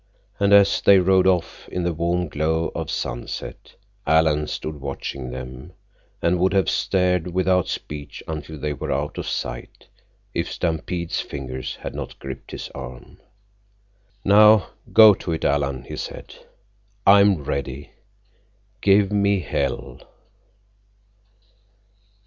And as they rode off in the warm glow of sunset Alan stood watching them, and would have stared without speech until they were out of sight, if Stampede's fingers had not gripped his arm. "Now, go to it, Alan," he said. "I'm ready. Give me hell!"